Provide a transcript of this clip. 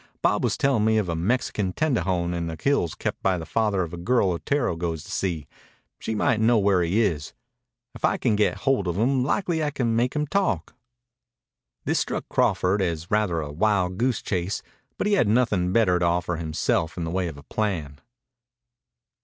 Bob was telling me of a Mexican tendejon in the hills kept by the father of a girl Otero goes to see. She might know where he is. If I can get hold of him likely I can make him talk." This struck Crawford as rather a wild goose chase, but he had nothing better to offer himself in the way of a plan.